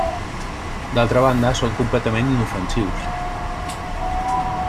D'altra banda, són completament inofensius.